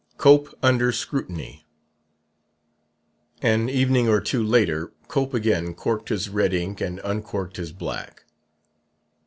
7 COPE UNDER SCRUTINY An evening or two later Cope again corked his red ink and uncorked his black.